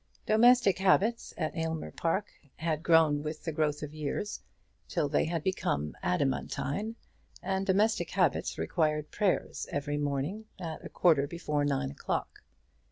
Domestic habits at Aylmer Park had grown with the growth of years till they had become adamantine, and domestic habits required prayers every morning at a quarter before nine o'clock.